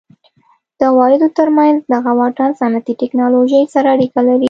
د عوایدو ترمنځ دغه واټن صنعتي ټکنالوژۍ سره اړیکه لري.